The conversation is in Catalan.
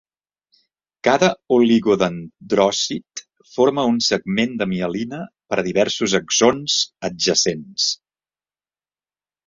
Cada oligodendròcit forma un segment de mielina per a diversos axons adjacents.